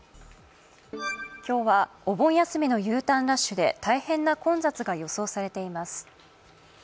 今日はお盆休みのＵターンラッシュで大変な混雑が予想されています。